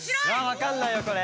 わかんないよこれ。